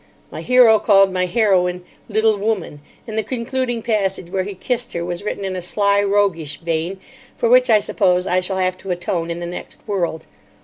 My hero called my heroine "little woman," and the concluding passage where he kissed her was written in a sly, roguish vein, for which I suppose I shall have to atone in the next world.